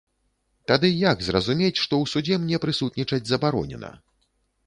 Тады як зразумець, што ў судзе мне прысутнічаць забаронена?